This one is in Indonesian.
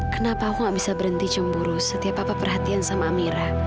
kenapa aku gak bisa berhenti cemburu setiap apa perhatian sama amira